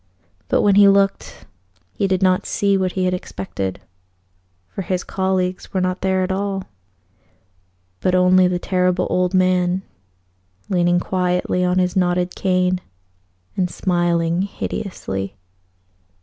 But when he looked, he did not see what he had expected; for his colleagues were not there at all, but only the Terrible Old Man leaning quietly on his knotted cane and smiling hideously.